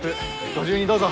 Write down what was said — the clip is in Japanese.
ご自由にどうぞ。